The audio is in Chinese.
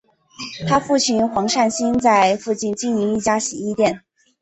她父亲黄善兴在附近经营一家洗衣店。